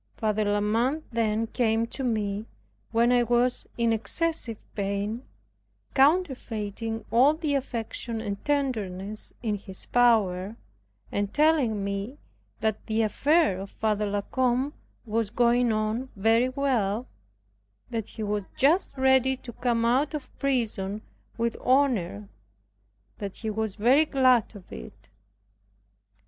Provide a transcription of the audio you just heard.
Father La Mothe then came to me, when I was in excessive pain, counterfeiting all the affection and tenderness in his power, and telling me "that the affair of Father La Combe was going on very well, that he was just ready to come out of prison with honor, that he was very glad of it.